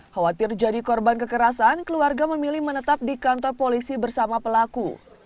khawatir jadi korban kekerasan keluarga memilih menetap di kantor polisi bersama pelaku